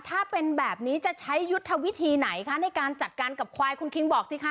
ถ้าเป็นแบบนี้จะใช้ยุทธวิธีไหนคะในการจัดการกับควายคุณคิงบอกสิคะ